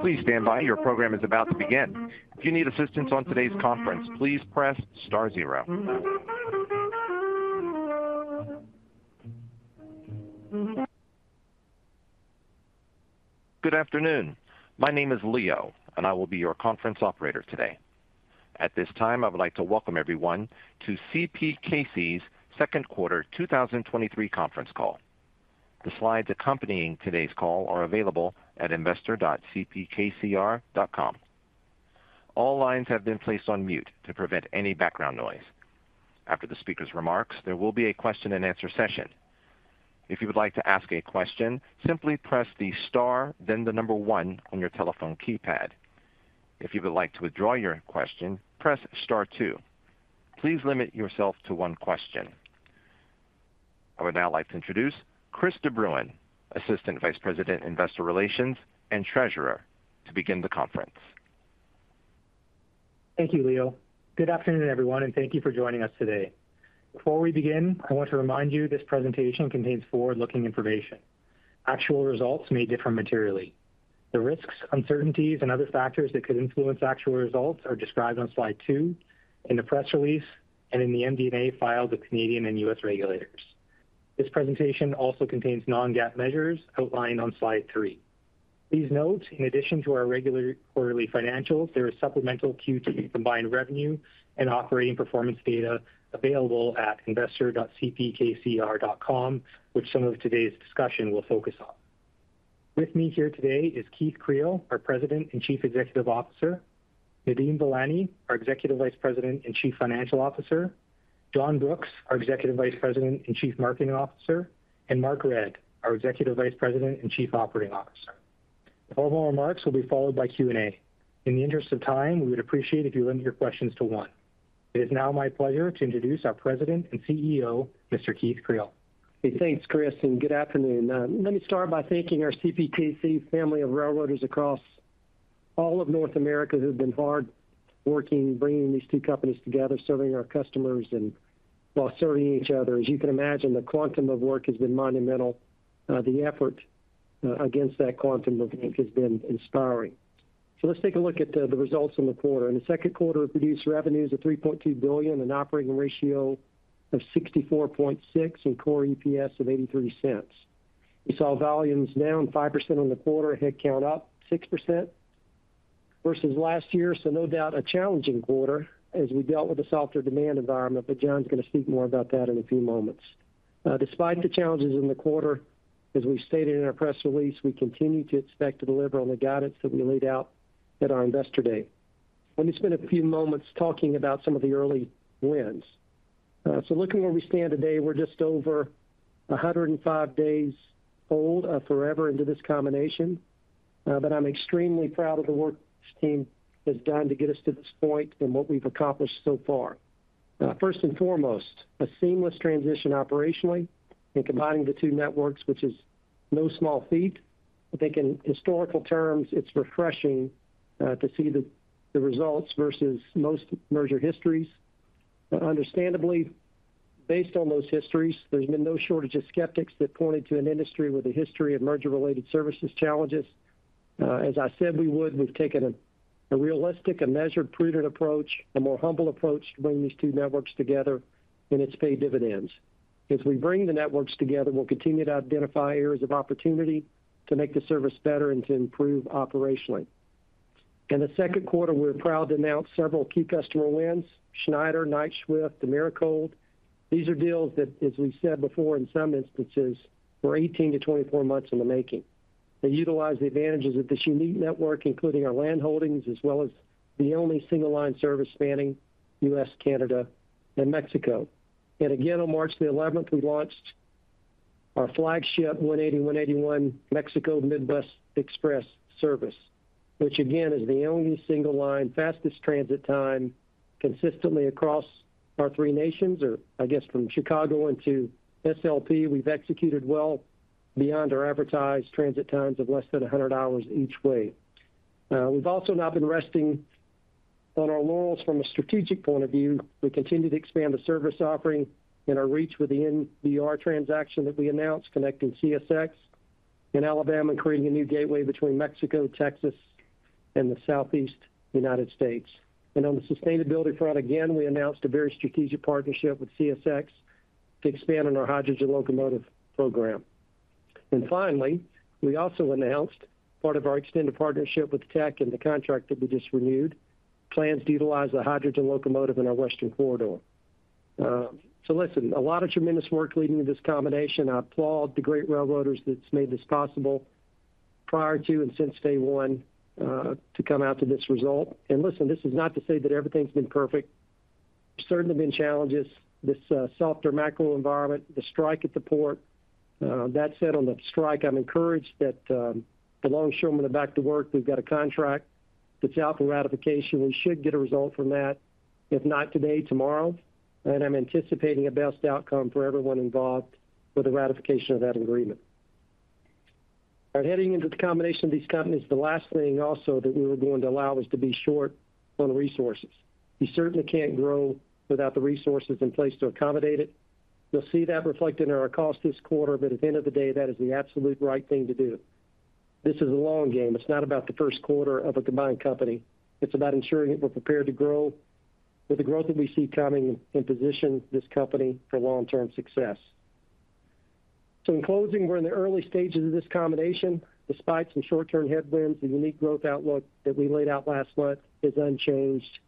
Please stand by, your program is about to begin. If you need assistance on today's conference, please press star zero. Good afternoon. My name is Leo, and I will be your conference operator today. At this time, I would like to welcome everyone to CPKC's second quarter 2023 conference call. The slides accompanying today's call are available at investor.cpkcr.com. All lines have been placed on mute to prevent any background noise. After the speaker's remarks, there will be a question-and-answer session. If you would like to ask a question, simply press the star, then the number one on your telephone keypad. If you would like to withdraw your question, press star two. Please limit yourself to one question. I would now like to introduce Chris de Bruyn, Assistant Vice President, Investor Relations, and Treasurer, to begin the conference. Thank you, Leo. Good afternoon, everyone, thank you for joining us today. Before we begin, I want to remind you this presentation contains forward-looking information. Actual results may differ materially. The risks, uncertainties, and other factors that could influence actual results are described on slide two in the press release and in the MD&A filed with Canadian and U.S. regulators. This presentation also contains non-GAAP measures outlined on slide three. Please note, in addition to our regular quarterly financials, there is supplemental Q2 combined revenue and operating performance data available at investor.cpkcr.com, which some of today's discussion will focus on. With me here today is Keith Creel, our President and Chief Executive Officer, Nadeem Velani, our Executive Vice President and Chief Financial Officer, John Brooks, our Executive Vice President and Chief Marketing Officer, and Mark Redd, our Executive Vice President and Chief Operating Officer. All of our remarks will be followed by Q&A. In the interest of time, we would appreciate if you limit your questions to one. It is now my pleasure to introduce our President and CEO, Mr. Keith Creel. Hey, thanks, Chris, and good afternoon. Let me start by thanking our CPKC family of railroaders across all of North America who have been hard working, bringing these two companies together, serving our customers and while serving each other. As you can imagine, the quantum of work has been monumental. The effort against that quantum of work has been inspiring. Let's take a look at the results in the quarter. In the second quarter, we produced revenues of $3.2 billion and operating ratio of 64.6 and core EPS of $0.83. We saw volumes down 5% on the quarter, headcount up 6% versus last year. No doubt, a challenging quarter as we dealt with a softer demand environment, but John's going to speak more about that in a few moments. Despite the challenges in the quarter, as we stated in our press release, we continue to expect to deliver on the guidance that we laid out at our investor day. Let me spend a few moments talking about some of the early wins. Looking where we stand today, we're just over 105 days old, forever into this combination, but I'm extremely proud of the work this team has done to get us to this point and what we've accomplished so far. First and foremost, a seamless transition operationally in combining the two networks, which is no small feat. I think in historical terms, it's refreshing, to see the, the results versus most merger histories. Understandably, based on those histories, there's been no shortage of skeptics that pointed to an industry with a history of merger-related services challenges. As I said we would, we've taken a, a realistic and measured, prudent approach, a more humble approach to bring these two networks together, and it's paid dividends. As we bring the networks together, we'll continue to identify areas of opportunity to make the service better and to improve operationally. In the second quarter, we're proud to announce several key customer wins, Schneider, Knight Swift, Americold. These are deals that, as we said before, in some instances, were 18-24 months in the making. They utilize the advantages of this unique network, including our land holdings, as well as the only single line service spanning U.S., Canada, and Mexico. Again, on March the eleventh, we launched our flagship 180, 181 Mexico Midwest Express service, which again, is the only single line, fastest transit time, consistently across our three nations, or I guess from Chicago into SLP. We've executed well beyond our advertised transit times of less than 100 hours each way. We've also not been resting on our laurels from a strategic point of view. We continue to expand the service offering and our reach with the NVR transaction that we announced, connecting CSX in Alabama and creating a new gateway between Mexico, Texas, and the Southeast United States. On the sustainability front, again, we announced a very strategic partnership with CSX to expand on our hydrogen locomotive program. Finally, we also announced part of our extended partnership with Teck and the contract that we just renewed, plans to utilize the hydrogen locomotive in our Western corridor. Listen, a lot of tremendous work leading to this combination. I applaud the great railroaders that's made this possible prior to and since day one, to come out to this result. Listen, this is not to say that everything's been perfect. Certainly been challenges, this softer macro environment, the strike at the port. That said, on the strike, I'm encouraged that the longshoremen are back to work. We've got a contract that's out for ratification. We should get a result from that, if not today, tomorrow. I'm anticipating a best outcome for everyone involved with the ratification of that agreement. Heading into the combination of these companies, the last thing also that we were going to allow was to be short on resources. You certainly can't grow without the resources in place to accommodate it. You'll see that reflected in our cost this quarter, but at the end of the day, that is the absolute right thing to do. This is a long game. It's not about the first quarter of a combined company, it's about ensuring that we're prepared to grow, with the growth that we see coming, and position this company for long-term success. In closing, we're in the early stages of this combination. Despite some short-term headwinds, the unique growth outlook that we laid out last month is unchanged.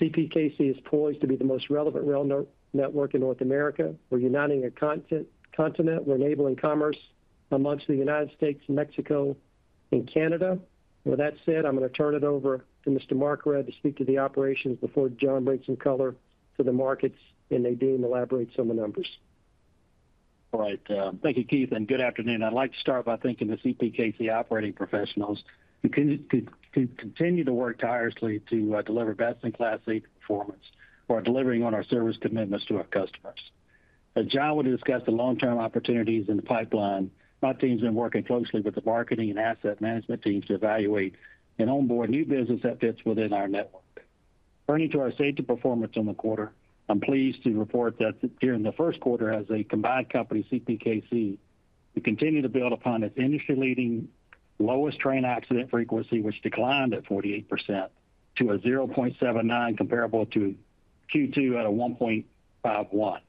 CPKC is poised to be the most relevant rail network in North America. We're uniting a continent. We're enabling commerce amongst the United States, Mexico, and Canada. With that said, I'm going to turn it over to Mr. Mark Redd, to speak to the operations before John brings some color to the markets, and Nadeem elaborates on the numbers. All right. Thank you, Keith, and good afternoon. I'd like to start by thanking the CPKC operating professionals, who continue to work tirelessly to deliver best-in-class safety performance who are delivering on our service commitments to our customers. As John will discuss the long-term opportunities in the pipeline, my team's been working closely with the marketing and asset management teams to evaluate and onboard new business that fits within our network. Turning to our safety performance in the quarter, I'm pleased to report that during the first quarter as a combined company, CPKC, we continue to build upon its industry-leading, lowest train accident frequency, which declined at 48% to a 0.79, comparable to Q2 at a 1.51.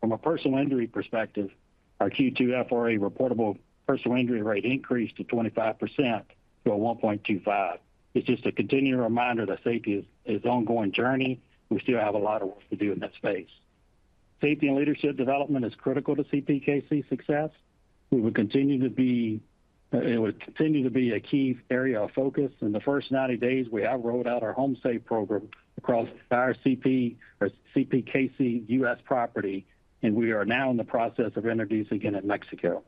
From a personal injury perspective, our Q2 FRA, Reportable Personal Injury Rate, increased to 25% to a 1.25. It's just a continuing reminder that safety is, is an ongoing journey. We still have a lot of work to do in that space. Safety and leadership development is critical to CPKC's success. We will continue to be. It will continue to be a key area of focus. In the first 90 days, we have rolled out our Home Safe program across our CP or CPKC U.S. property, and we are now in the process of introducing it in Mexico.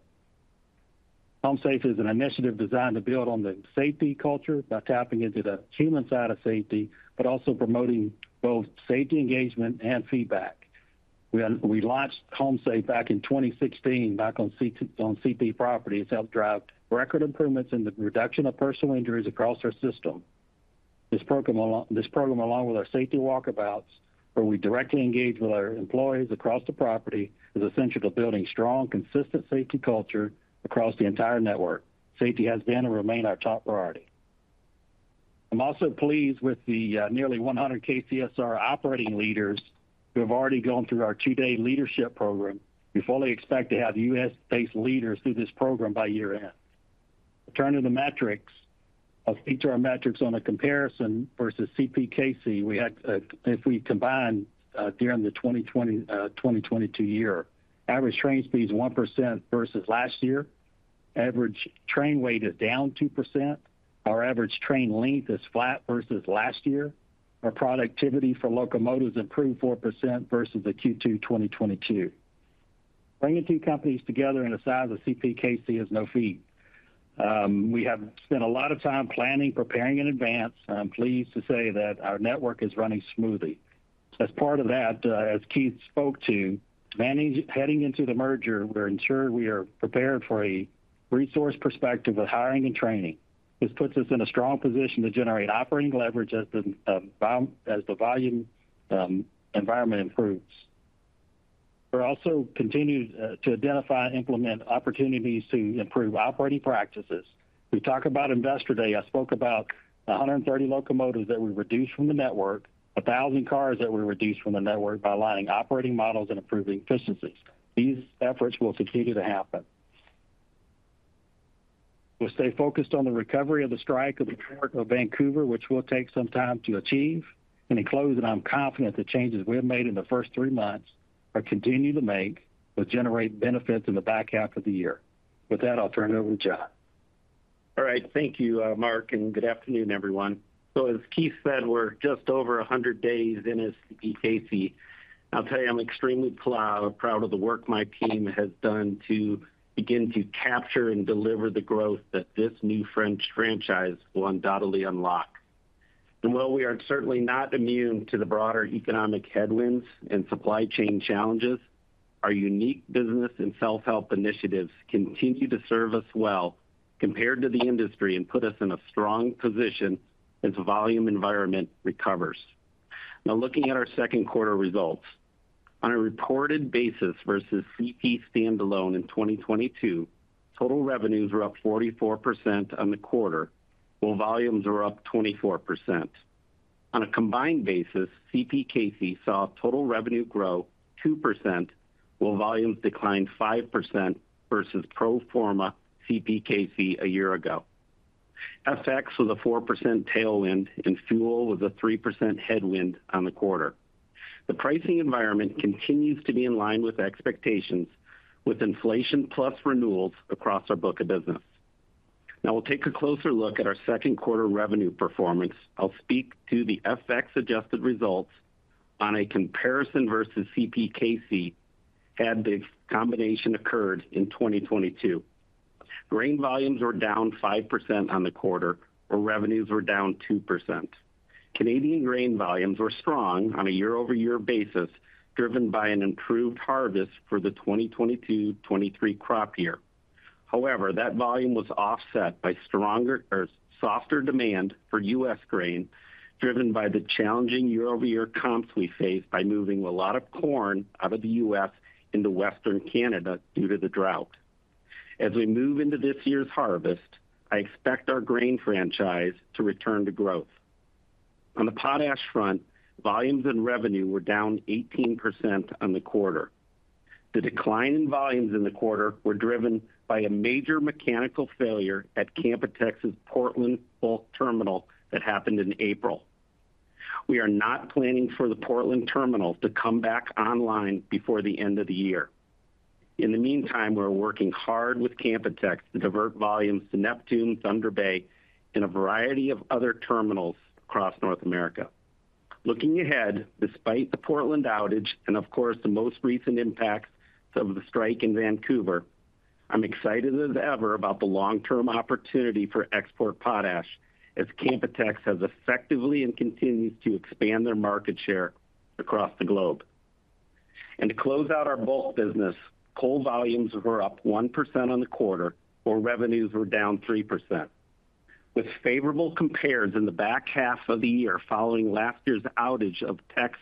Home Safe is an initiative designed to build on the safety culture by tapping into the human side of safety, but also promoting both safety engagement and feedback. We launched Home Safe back in 2016, back on CP property. It's helped drive record improvements in the reduction of personal injuries across our system. This program, along with our safety walkabouts, where we directly engage with our employees across the property, is essential to building strong, consistent safety culture across the entire network. Safety has been and remain our top priority. I'm also pleased with the nearly 100 KCSR operating leaders who have already gone through our two-day leadership program. We fully expect to have U.S.-based leaders through this program by year-end. Turning to the metrics. I'll speak to our metrics on a comparison versus CPKC. We had, if we combine, during the 2022 year, average train speed is 1% versus last year. Average train weight is down 2%. Our average train length is flat versus last year. Our productivity for locomotives improved 4% versus the Q2 2022. Bringing two companies together in the size of CPKC is no feat. We have spent a lot of time planning, preparing in advance. I'm pleased to say that our network is running smoothly. As part of that, as Keith spoke to, heading into the merger, we're ensured we are prepared for a resource perspective with hiring and training. This puts us in a strong position to generate operating leverage as the as the volume environment improves. We're also continuing to identify and implement opportunities to improve operating practices. We talk about Investor Day, I spoke about 130 locomotives that we reduced from the network, 1,000 cars that we reduced from the network by aligning operating models and improving efficiencies. These efforts will continue to happen. We'll stay focused on the recovery of the strike of the Port of Vancouver, which will take some time to achieve. In closing, I'm confident the changes we have made in the first three months, or continue to make, will generate benefits in the back half of the year. With that, I'll turn it over to John. All right, thank you, Mark, As Keith said, we're just over 100 days in as CPKC. I'll tell you, I'm extremely proud, proud of the work my team has done to begin to capture and deliver the growth that this new franchise will undoubtedly unlock. While we are certainly not immune to the broader economic headwinds and supply chain challenges, our unique business and self-help initiatives continue to serve us well compared to the industry and put us in a strong position as volume environment recovers. Looking at our second quarter results. On a reported basis versus CP standalone in 2022, total revenues were up 44% on the quarter, while volumes are up 24%. On a combined basis, CPKC saw total revenue grow 2%, while volumes declined 5% versus pro forma CPKC a year ago. FX was a 4% tailwind, fuel was a 3% headwind on the quarter. The pricing environment continues to be in line with expectations, with inflation plus renewals across our book of business. Now, we'll take a closer look at our second quarter revenue performance. I'll speak to the FX-adjusted results on a comparison versus CPKC had the combination occurred in 2022. Grain volumes were down 5% on the quarter, where revenues were down 2%. Canadian grain volumes were strong on a year-over-year basis, driven by an improved harvest for the 2022/2023 crop year. That volume was offset by stronger or softer demand for U.S. grain, driven by the challenging year-over-year comps we face by moving a lot of corn out of the U.S. into Western Canada due to the drought. As we move into this year's harvest, I expect our grain franchise to return to growth. On the potash front, volumes and revenue were down 18% on the quarter. The decline in volumes in the quarter were driven by a major mechanical failure at Canpotex's Portland bulk terminal that happened in April. We are not planning for the Portland terminal to come back online before the end of the year. In the meantime, we're working hard with Canpotex to divert volumes to Neptune, Thunder Bay, and a variety of other terminals across North America. Looking ahead, despite the Portland outage, and of course, the most recent impacts of the strike in Vancouver, I'm excited as ever about the long-term opportunity for export potash, as Canpotex has effectively and continues to expand their market share across the globe. To close out our bulk business, coal volumes were up 1% on the quarter, while revenues were down 3%. With favorable compares in the back half of the year following last year's outage of Teck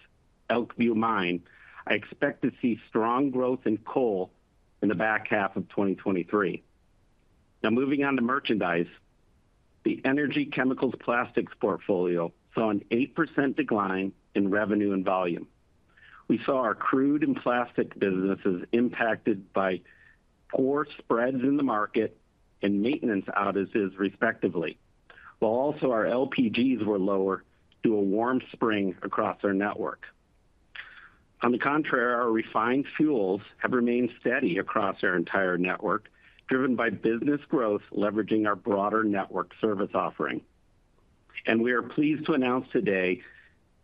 Elkview Mine, I expect to see strong growth in coal in the back half of 2023. Moving on to merchandise. The energy chemicals plastics portfolio saw an 8% decline in revenue and volume. We saw our crude and plastic businesses impacted by poor spreads in the market and maintenance outages, respectively, while also our LPGs were lower due to a warm spring across our network. On the contrary, our refined fuels have remained steady across our entire network, driven by business growth, leveraging our broader network service offering. We are pleased to announce today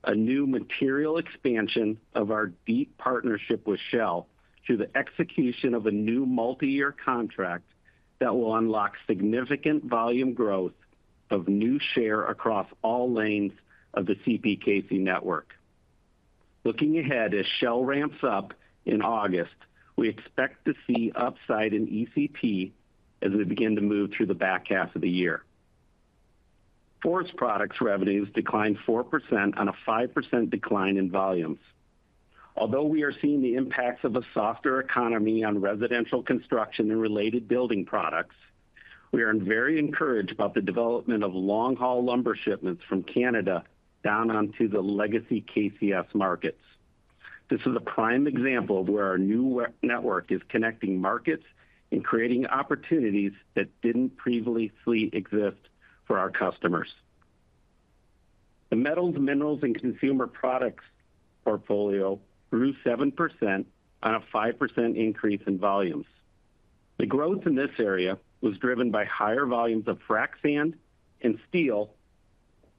a new material expansion of our deep partnership with Shell, through the execution of a new multi-year contract that will unlock significant volume growth of new share across all lanes of the CPKC network. Looking ahead, as Shell ramps up in August, we expect to see upside in ECP as we begin to move through the back half of the year. Forest Products revenues declined 4% on a 5% decline in volumes. Although we are seeing the impacts of a softer economy on residential construction and related building products, we are very encouraged about the development of long-haul lumber shipments from Canada down onto the legacy KCS markets. This is a prime example of where our new network is connecting markets and creating opportunities that didn't previously exist for our customers. The metals, minerals, and consumer products portfolio grew 7% on a 5% increase in volumes. The growth in this area was driven by higher volumes of frac sand and steel,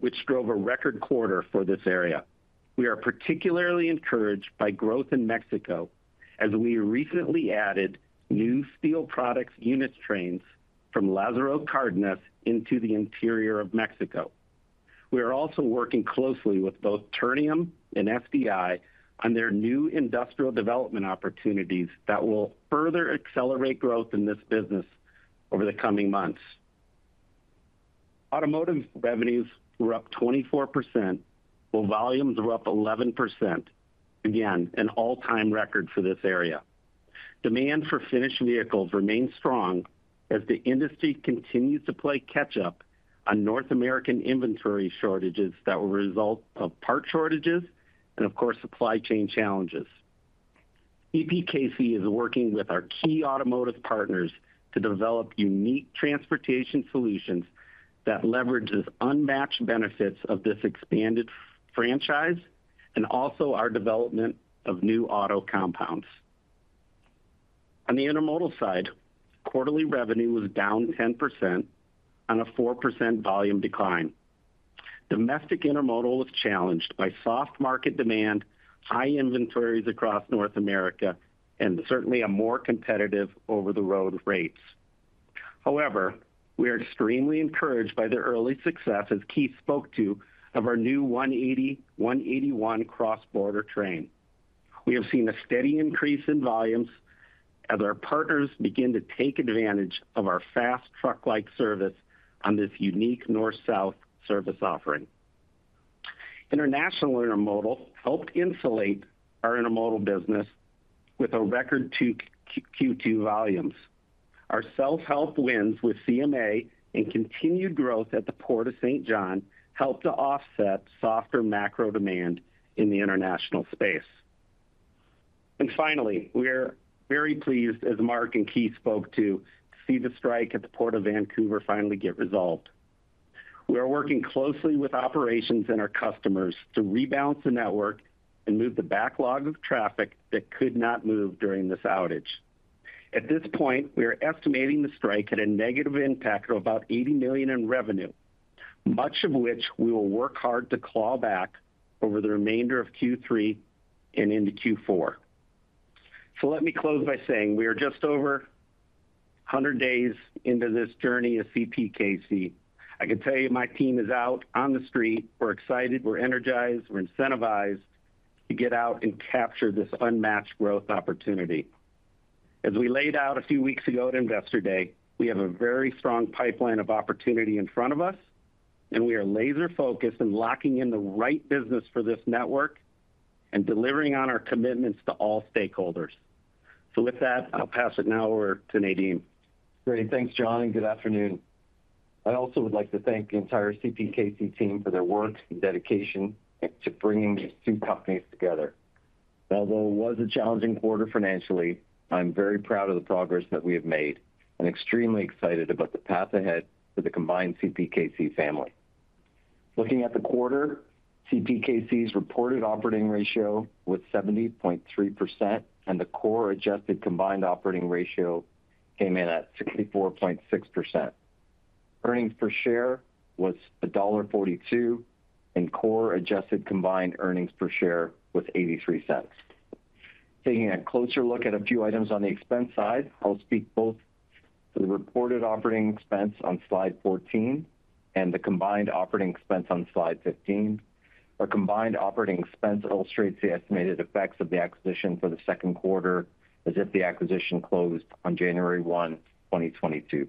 which drove a record quarter for this area. We are particularly encouraged by growth in Mexico, as we recently added new steel products unit trains from Lázaro Cárdenas into the interior of Mexico. We are also working closely with both Ternium and FDI on their new industrial development opportunities that will further accelerate growth in this business over the coming months. Automotive revenues were up 24%, while volumes were up 11%. Again, an all-time record for this area. Demand for finished vehicles remains strong as the industry continues to play catch up on North American inventory shortages that were a result of part shortages and of course, supply chain challenges. CPKC is working with our key automotive partners to develop unique transportation solutions that leverages unmatched benefits of this expanded franchise and also our development of new auto compounds. On the Intermodal side, quarterly revenue was down 10% on a 4% volume decline. Domestic intermodal was challenged by soft market demand, high inventories across North America, and certainly a more competitive over-the-road rates. We are extremely encouraged by the early success, as Keith spoke to, of our new 180/181 cross-border train. We have seen a steady increase in volumes as our partners begin to take advantage of our fast truck-like service on this unique North-South service offering. International Intermodal helped insulate our Intermodal business with a record Q2 volumes. Our self-help wins with CMA and continued growth at the Port of St. John, helped to offset softer macro demand in the international space. Finally, we are very pleased, as Mark and Keith spoke to, to see the strike at the Port of Vancouver finally get resolved. We are working closely with operations and our customers to rebalance the network and move the backlog of traffic that could not move during this outage. At this point, we are estimating the strike at a negative impact of about $80 million in revenue, much of which we will work hard to claw back over the remainder of Q3 and into Q4. Let me close by saying, we are just over 100 days into this journey of CPKC. I can tell you, my team is out on the street. We're excited, we're energized, we're incentivized to get out and capture this unmatched growth opportunity. As we laid out a few weeks ago at Investor Day, we have a very strong pipeline of opportunity in front of us, and we are laser-focused on locking in the right business for this network and delivering on our commitments to all stakeholders. With that, I'll pass it now over to Nadeem. Great. Thanks, John, and good afternoon. I also would like to thank the entire CPKC team for their work and dedication to bringing these two companies together. Although it was a challenging quarter financially, I'm very proud of the progress that we have made and extremely excited about the path ahead for the combined CPKC family. Looking at the quarter, CPKC's reported operating ratio was 70.3%, and the core adjusted combined operating ratio came in at 64.6%. Earnings per share was $1.42, and core adjusted combined earnings per share was $0.83. Taking a closer look at a few items on the expense side, I'll speak both to the reported operating expense on slide 14 and the combined operating expense on slide 15. Our combined operating expense illustrates the estimated effects of the acquisition for the second quarter, as if the acquisition closed on January 1, 2022.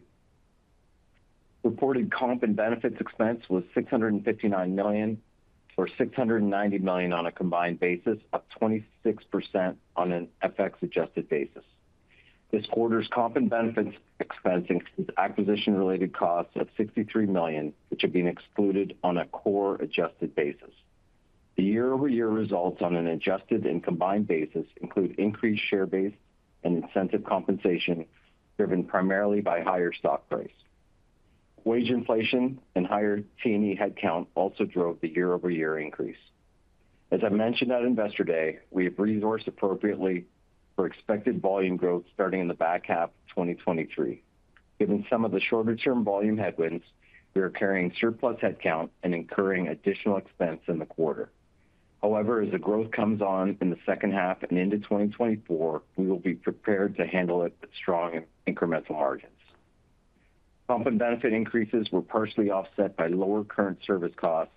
Reported comp and benefits expense was $659 million, or $690 million on a combined basis, up 26% on an FX-adjusted basis. This quarter's comp and benefits expense includes acquisition-related costs of $63 million, which have been excluded on a core adjusted basis. The year-over-year results on an adjusted and combined basis include increased share base and incentive compensation, driven primarily by higher stock price. Wage inflation and higher T&E headcount also drove the year-over-year increase. As I mentioned at Investor Day, we have resourced appropriately for expected volume growth starting in the back half of 2023. Given some of the shorter-term volume headwinds, we are carrying surplus headcount and incurring additional expense in the quarter. However, as the growth comes on in the second half and into 2024, we will be prepared to handle it with strong and incremental margins. Comp and benefit increases were partially offset by lower current service costs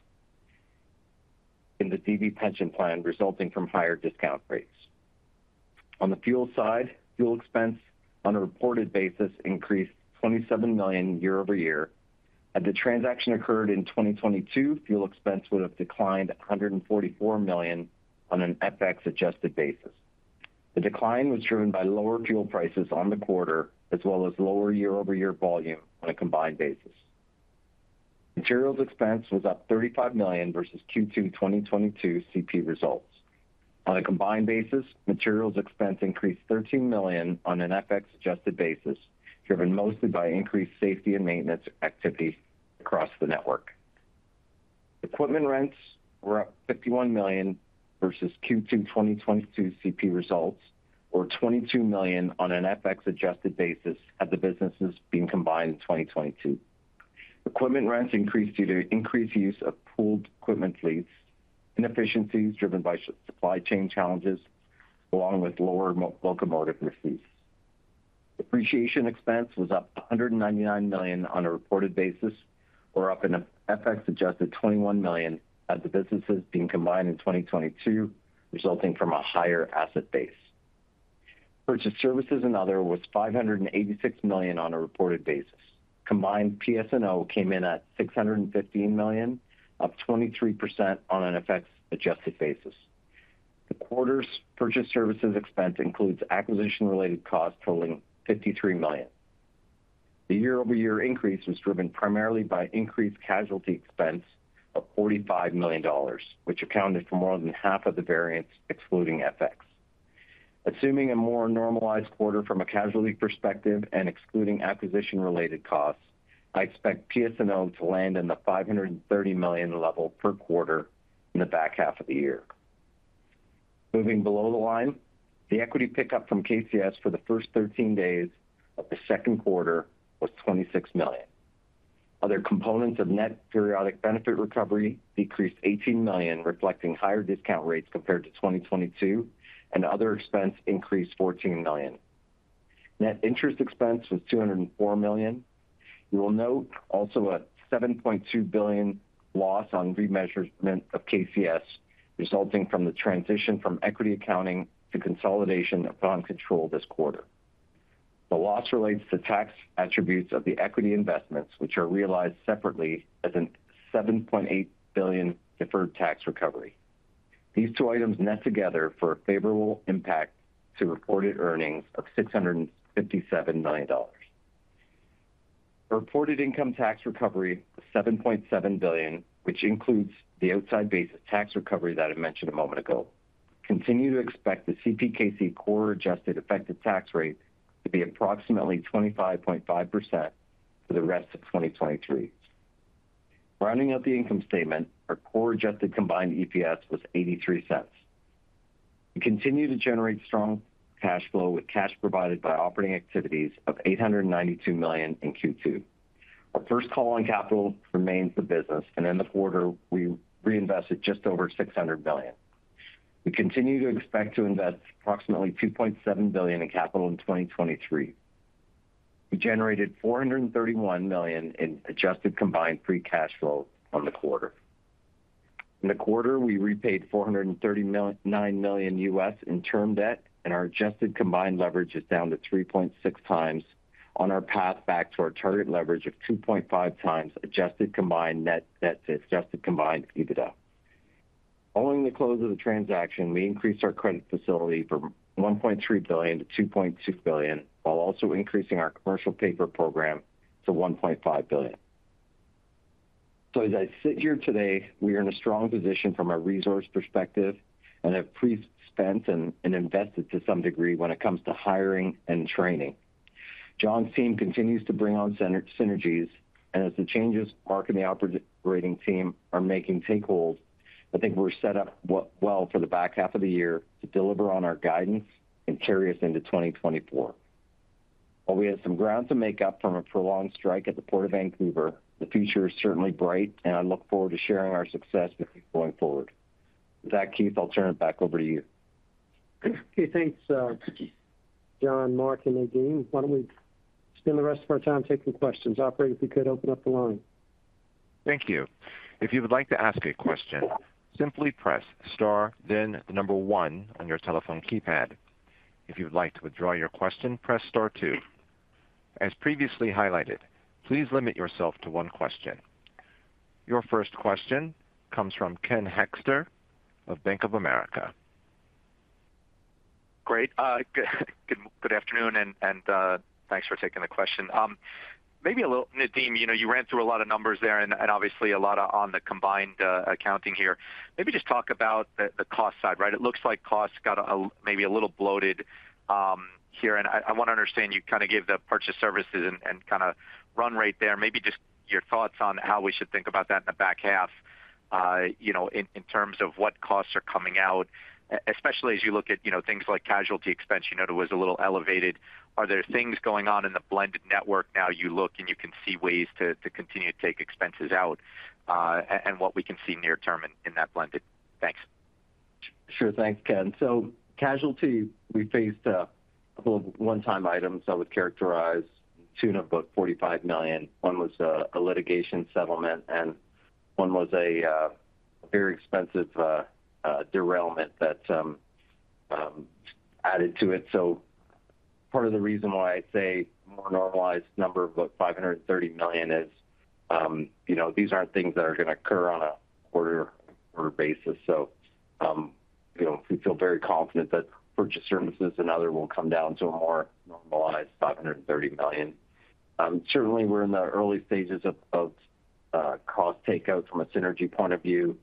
in the DB pension plan, resulting from higher discount rates. On the fuel side, fuel expense on a reported basis increased $27 million year-over-year. Had the transaction occurred in 2022, fuel expense would have declined $144 million on an FX-adjusted basis. The decline was driven by lower fuel prices on the quarter, as well as lower year-over-year volume on a combined basis. Materials expense was up $35 million versus Q2 2022 CP results. On a combined basis, materials expense increased $13 million on an FX-adjusted basis, driven mostly by increased safety and maintenance activity across the network. Equipment rents were up $51 million versus Q2 2022 CP results, or $22 million on an FX-adjusted basis, had the businesses been combined in 2022. Equipment rents increased due to increased use of pooled equipment lease, inefficiencies driven by supply chain challenges, along with lower locomotive receipts. Depreciation expense was up $199 million on a reported basis, or up an FX-adjusted $21 million, had the businesses been combined in 2022, resulting from a higher asset base. Purchase services and other was $586 million on a reported basis. Combined PS&O came in at $615 million, up 23% on an FX-adjusted basis. The quarter's purchase services expense includes acquisition-related costs totaling $53 million. The year-over-year increase was driven primarily by increased casualty expense of $45 million, which accounted for more than half of the variance excluding FX. Assuming a more normalized quarter from a casualty perspective and excluding acquisition-related costs, I expect PS&O to land in the $530 million level per quarter in the back half of the year. Moving below the line, the equity pickup from KCS for the first 13 days of the second quarter was $26 million. Other components of net periodic benefit recovery decreased $18 million, reflecting higher discount rates compared to 2022, and other expense increased $14 million. Net interest expense was $204 million. You will note also a $7.2 billion loss on remeasurement of KCS, resulting from the transition from equity accounting to consolidation upon control this quarter. The loss relates to tax attributes of the equity investments, which are realized separately as a $7.8 billion deferred tax recovery. These two items net together for a favorable impact to reported earnings of $657 million. The reported income tax recovery of $7.7 billion, which includes the outside basis tax recovery that I mentioned a moment ago, continue to expect the CPKC core adjusted effective tax rate to be approximately 25.5% for the rest of 2023. Rounding out the income statement, our core adjusted combined EPS was $0.83. We continue to generate strong cash flow, with cash provided by operating activities of $892 million in Q2. Our first call on capital remains the business, and in the quarter, we reinvested just over $600 million. We continue to expect to invest approximately $2.7 billion in capital in 2023. We generated $431 million in adjusted combined free cash flow on the quarter. In the quarter, we repaid $439 million in term debt, and our adjusted combined leverage is down to 3.6x on our path back to our target leverage of 2.5x adjusted combined net debt to adjusted combined EBITDA. Following the close of the transaction, we increased our credit facility from $1.3 billion to $2.6 billion, while also increasing our commercial paper program to $1.5 billion. As I sit here today, we are in a strong position from a resource perspective and have pre-spent and invested to some degree when it comes to hiring and training. John's team continues to bring on synergies. As the changes Mark and the operating team are making take hold, I think we're set up well for the back half of the year to deliver on our guidance and carry us into 2024. While we have some ground to make up from a prolonged strike at the Port of Vancouver, the future is certainly bright. I look forward to sharing our success with you going forward. With that, Keith, I'll turn it back over to you. Okay, thanks, John, Mark, and Nadeem. Why don't we spend the rest of our time taking questions? Operator, if you could open up the line. Thank you. If you would like to ask a question, simply press star, then 1 on your telephone keypad. If you would like to withdraw your question, press star 2. As previously highlighted, please limit yourself to 1 question. Your first question comes from Ken Hoexter of Bank of America. Great. Good, good afternoon, and, and, thanks for taking the question. Maybe a little, Nadeem, you know, you ran through a lot of numbers there and, and obviously a lot on the combined accounting here. Maybe just talk about the, the cost side, right? It looks like costs got maybe a little bloated here, and I, I want to understand, you gave the purchase services and, and kind of run right there. Maybe just your thoughts on how we should think about that in the back half, you know, in, in terms of what costs are coming out, especially as you look at, you know, things like casualty expense, you know, it was a little elevated. Are there things going on in the blended network now you look, and you can see ways to continue to take expenses out, and what we can see near term in that blended? Thanks. Sure. Thanks, Ken. Casualty, we faced a couple of one-time items I would characterize, tune of about $45 million. One was a, a litigation settlement, and one was a, very expensive, derailment that added to it. Part of the reason why I say more normalized number of about $530 million is, you know, these aren't things that are going to occur on a quarter-over-quarter basis. You know, we feel very confident that purchase services and other will come down to a more normalized $530 million. Certainly we're in the early stages of, of, cost takeout from a synergy point of view.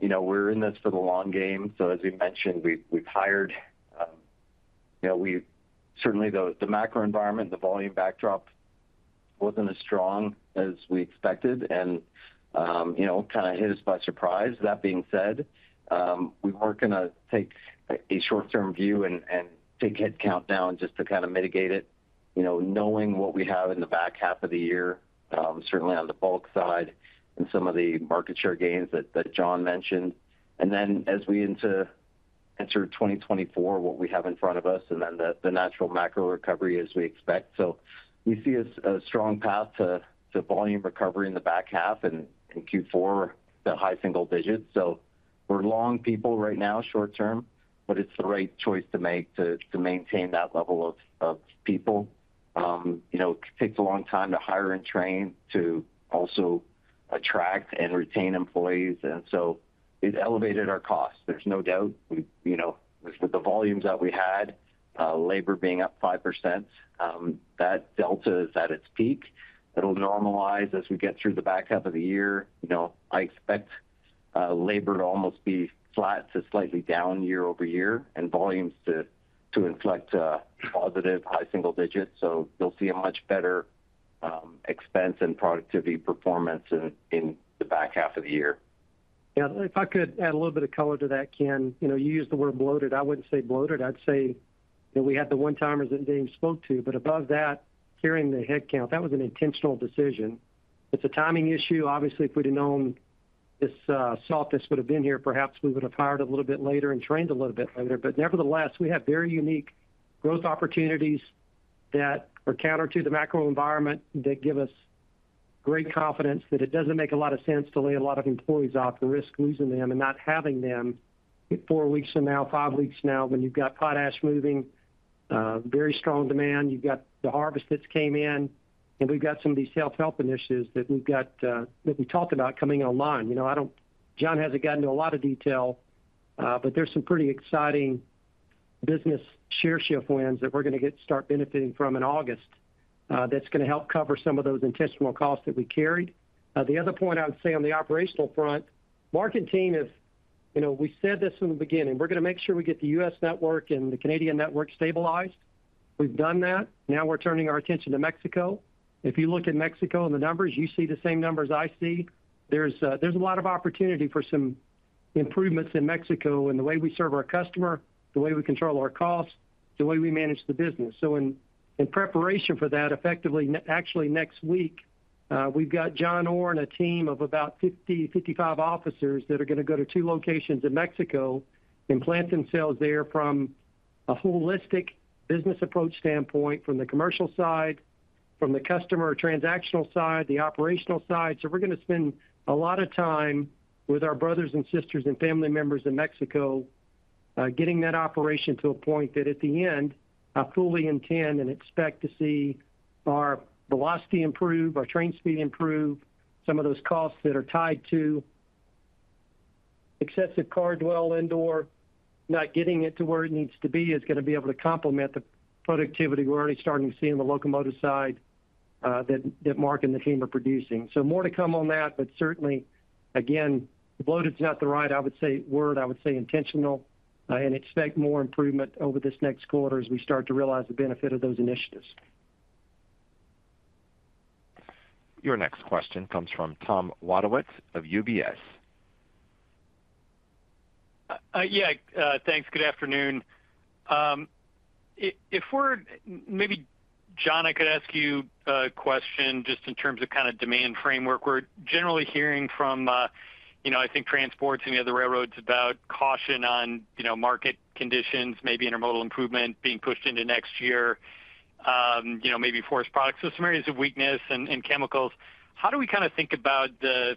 You know, we're in this for the long game, so as we mentioned, we've, we've hired, you know, certainly the macro environment, the volume backdrop wasn't as strong as we expected and, you know, kind of hit us by surprise. That being said, we weren't going to take a short-term view and take head count down just to kind of mitigate it. You know, knowing what we have in the back half of the year, certainly on the bulk side and some of the market share gains that John mentioned. As we enter 2024, what we have in front of us, and then the natural macro recovery as we expect. We see a strong path to volume recovery in the back half and in Q4, the high single digits. We're long people right now, short term, but it's the right choice to make to, to maintain that level of, of people. You know, it takes a long time to hire and train, to also attract and retain employees, and so it elevated our costs. There's no doubt, we, you know, with the volumes that we had, labor being up 5%, that delta is at its peak. It'll normalize as we get through the back half of the year. You know, I expect labor to almost be flat to slightly down year-over-year, and volumes to, to inflect, positive, high single digits. You'll see a much better, expense and productivity performance in, in the back half of the year. Yeah, if I could add a little bit of color to that, Ken. You know, you used the word bloated. I wouldn't say bloated. I'd say that we had the one-timers that Nadeem spoke to, but above that, carrying the headcount, that was an intentional decision. It's a timing issue. Obviously, if we'd have known this softness would have been here, perhaps we would have hired a little bit later and trained a little bit later. Nevertheless, we have very unique growth opportunities that are counter to the macro environment, that give us great confidence that it doesn't make a lot of sense to lay a lot of employees off to risk losing them and not having them four weeks from now, five weeks from now, when you've got potash moving, very strong demand, you've got the harvest that's came in, and we've got some of these self-helping issues that we've got, that we talked about coming online. You know, I don't-- John hasn't got into a lot of detail, but there's some pretty exciting business share shift wins that we're going to start benefiting from in August, that's going to help cover some of those intentional costs that we carried. The other point I would say on the operational front, Mark and team is, you know, we said this from the beginning. We're going to make sure we get the U.S. network and the Canadian network stabilized. We've done that. Now we're turning our attention to Mexico. If you look at Mexico and the numbers, you see the same numbers I see. There's a lot of opportunity for some improvements in Mexico and the way we serve our customer, the way we control our costs, the way we manage the business. In, in preparation for that, effectively, actually next week. We've got John Orr and a team of about 50, 55 officers that are going to go to two locations in Mexico and plant themselves there from a holistic business approach standpoint, from the commercial side, from the customer transactional side, the operational side. We're going to spend a lot of time with our brothers and sisters and family members in Mexico, getting that operation to a point that at the end, I fully intend and expect to see our velocity improve, our train speed improve, some of those costs that are tied to excessive car dwell indoor, not getting it to where it needs to be, is going to be able to complement the productivity we're already starting to see on the locomotive side, that Mark and the team are producing. More to come on that, but certainly, again, bloated is not the right, I would say, word, I would say intentional, and expect more improvement over this next quarter as we start to realize the benefit of those initiatives. Your next question comes from Tom Wadewitz of UBS. Yeah, thanks. Good afternoon. Maybe John, I could ask you a question just in terms of kind of demand framework. We're generally hearing from, you know, I think transports and the other railroads about caution on, you know, market conditions, maybe Intermodal improvement being pushed into next year, you know, maybe forest products. Some areas of weakness in, in chemicals. How do we kind of think about the,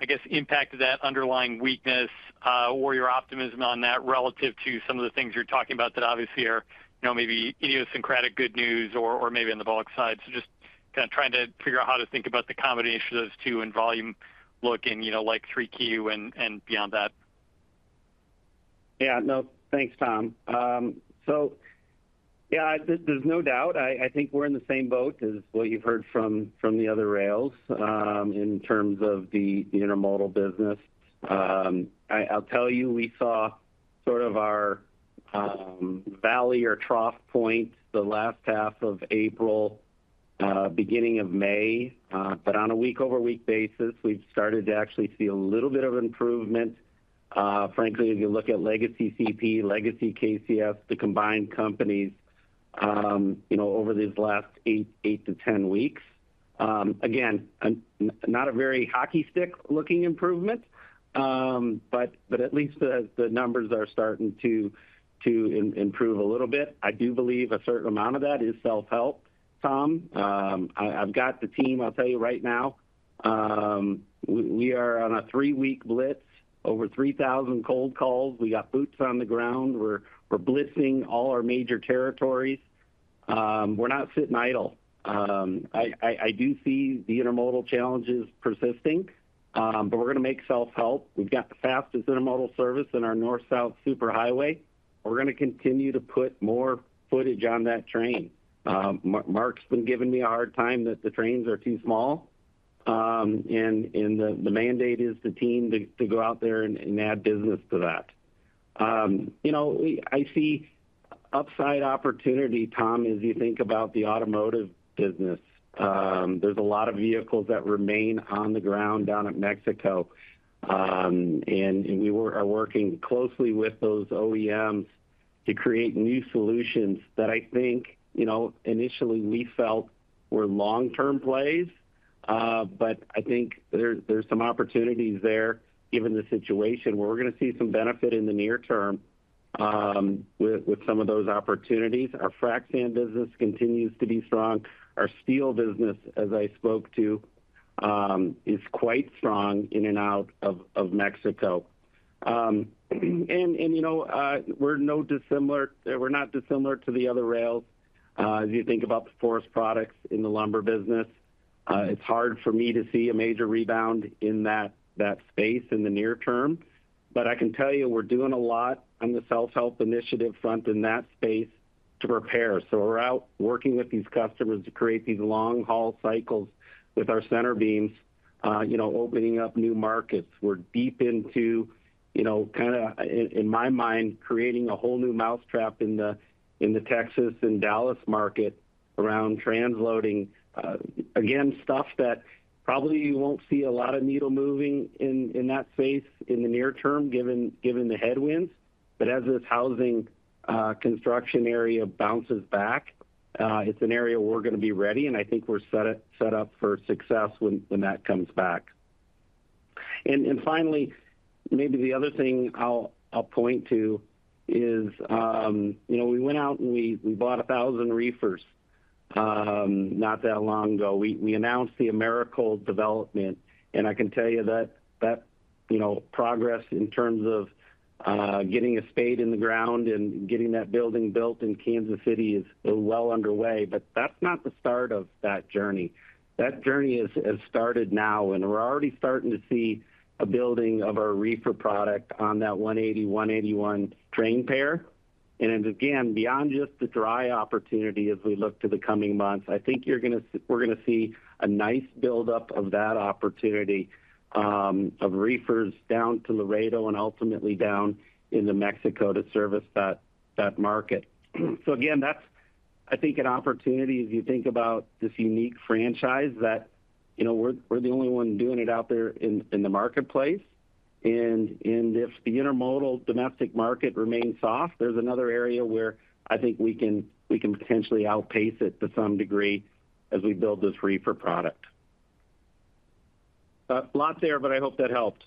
I guess, impact of that underlying weakness, or your optimism on that relative to some of the things you're talking about that obviously are, you know, maybe idiosyncratic good news or, or maybe on the bulk side? Just kind of trying to figure out how to think about the combination of those two and volume look in, you know, like 3Q and, and beyond that. Yeah. No, thanks, Tom. Yeah, there's, there's no doubt. I, I think we're in the same boat as what you've heard from, from the other rails, in terms of the Intermodal business. I, I'll tell you, we saw sort of our valley or trough point the last half of April, beginning of May, on a week-over-week basis, we've started to actually see a little bit of improvement. Frankly, if you look at legacy CP, legacy KCS, the combined companies, you know, over these last eight to 10 weeks, again, not a very hockey stick-looking improvement, but, but at least the, the numbers are starting to improve a little bit. I do believe a certain amount of that is self-help, Tom. I've got the team, I'll tell you right now, we are on a three-week blitz, over 3,000 cold calls. We got boots on the ground. We're blitzing all our major territories. We're not sitting idle. I do see the Intermodal challenges persisting, but we're going to make self-help. We've got the fastest Intermodal service in our North-South Super Highway. We're going to continue to put more footage on that train. Mark, Mark's been giving me a hard time that the trains are too small, and the mandate is the team to, to go out there and add business to that. You know, I see upside opportunity, Tom, as you think about the automotive business. There's a lot of vehicles that remain on the ground down in Mexico, and we were... are working closely with those OEMs to create new solutions that I think, you know, initially we felt were long-term plays. I think there, there's some opportunities there given the situation, where we're going to see some benefit in the near term, with, with some of those opportunities. Our frac sand business continues to be strong. Our steel business, as I spoke to, is quite strong in and out of, of Mexico. You know, we're not dissimilar to the other rails. As you think about the forest products in the lumber business, it's hard for me to see a major rebound in that, that space in the near term. I can tell you, we're doing a lot on the self-help initiative front in that space to prepare. We're out working with these customers to create these long-haul cycles with our center beams, you know, opening up new markets. We're deep into, you know, kind of, in, in my mind, creating a whole new mousetrap in the, in the Texas and Dallas market around transloading. Again, stuff that probably you won't see a lot of needle moving in, in that space in the near term, given, given the headwinds, but as this housing construction area bounces back, it's an area we're going to be ready, and I think we're set, set up for success when, when that comes back. And finally, maybe the other thing I'll, I'll point to is, you know, we went out and we, we bought 1,000 reefers not that long ago. We announced the Americold development, I can tell you that, that, you know, progress in terms of getting a spade in the ground and getting that building built in Kansas City is well underway, but that's not the start of that journey. That journey has, has started now, and we're already starting to see a building of our reefer product on that 180, 181 train pair. Beyond just the dry opportunity as we look to the coming months, I think we're going to see a nice buildup of that opportunity of reefers down to Laredo and ultimately down into Mexico to service that, that market. Again, that's, I think, an opportunity, as you think about this unique franchise, that, you know, we're, we're the only one doing it out there in, in the marketplace. If the Intermodal domestic market remains soft, there's another area where I think we can, we can potentially outpace it to some degree as we build this reefer product. A lot there, but I hope that helped.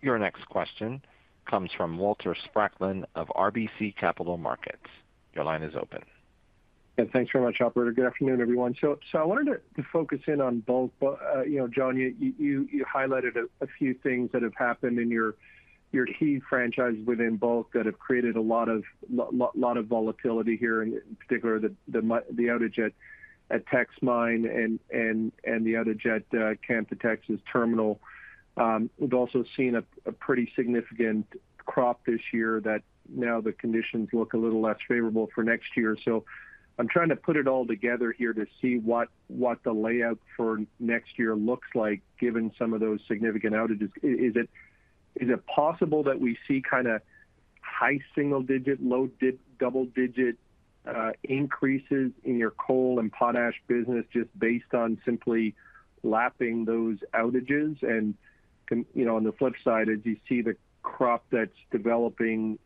Your next question comes from Walter Spracklin of RBC Capital Markets. Your line is open. Yeah, thanks very much, operator. Good afternoon, everyone. I wanted to focus in on bulk. You know, John, you highlighted a few things that have happened in your key franchises within bulk that have created a lot of volatility here, and in particular, the outage at Teck Mine and the outage at Canpotex's terminal. We've also seen a pretty significant crop this year that now the conditions look a little less favorable for next year. I'm trying to put it all together here to see what the layout for next year looks like, given some of those significant outages. Is it, is it possible that we see kind of high single-digit, low double-digit increases in your coal and potash business, just based on simply lapping those outages? you know, on the flip side, as you see the crop that's developing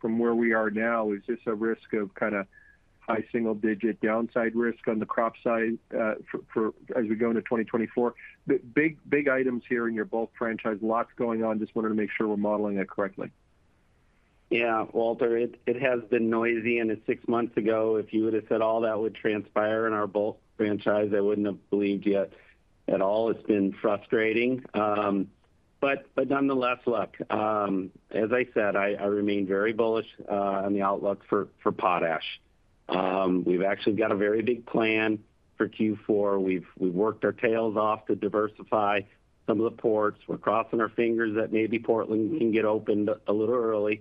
from where we are now, is this a risk of kind of high single-digit downside risk on the crop side, as we go into 2024? Big, big items here in your bulk franchise, lots going on. Just wanted to make sure we're modeling it correctly. Yeah, Walter, it, it has been noisy, and at six months ago, if you would have said all that would transpire in our bulk franchise, I wouldn't have believed you at all. It's been frustrating. But nonetheless, look, as I said, I, I remain very bullish on the outlook for, for potash. We've actually got a very big plan for Q4. We've, we've worked our tails off to diversify some of the ports. We're crossing our fingers that maybe Portland can get opened a little early.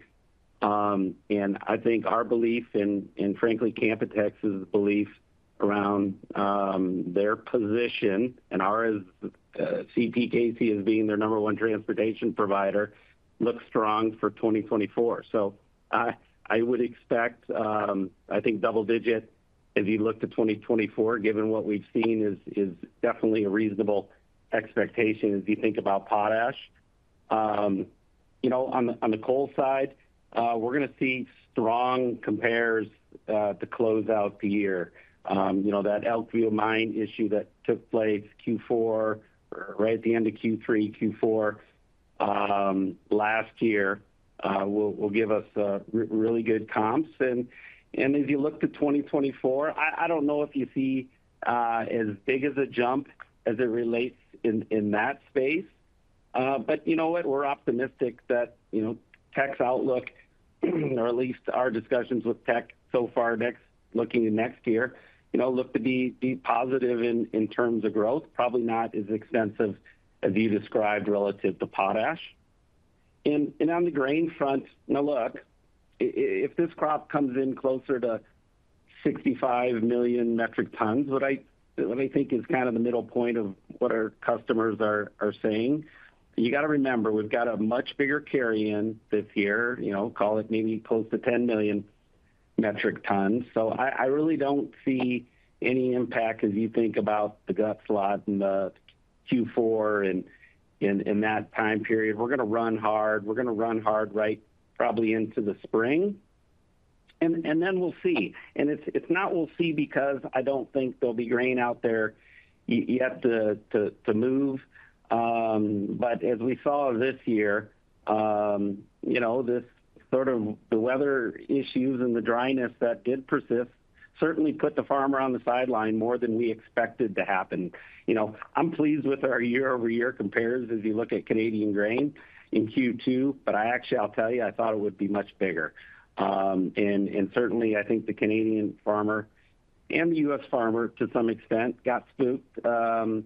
I think our belief, and, and frankly, Tampa, Texas's belief around their position and our as CPKC as being their number one transportation provider, looks strong for 2024. I, I would expect, I think double digit, as you look to 2024, given what we've seen, is definitely a reasonable expectation as you think about potash. You know, on the coal side, we're going to see strong compares to close out the year. You know, that Elkview Mine issue that took place Q4, or right at the end of Q3, Q4, last year, will give us really good comps. As you look to 2024, I don't know if you see as big as a jump as it relates in that space. You know what? We're optimistic that, you know, Teck outlook, or at least our discussions with Teck so far looking to next year, you know, look to be positive in terms of growth. Probably not as extensive as you described relative to potash. On the grain front, now look, if this crop comes in closer to 65 million metric tons, let me think is kind of the middle point of what our customers are saying. You got to remember, we've got a much bigger carry-in this year, you know, call it maybe close to 10 million metric tons. I really don't see any impact as you think about the gut slot and the Q4 in that time period. We're going to run hard. We're going to run hard right probably into the spring, and then we'll see. It's, it's not we'll see because I don't think there'll be grain out there yet to move. As we saw this year, you know, this sort of the weather issues and the dryness that did persist, certainly put the farmer on the sideline more than we expected to happen. You know, I'm pleased with our year-over-year compares as you look at Canadian grain in Q2, but I actually, I'll tell you, I thought it would be much bigger. Certainly, I think the Canadian farmer and the U.S. farmer, to some extent, got spooked, and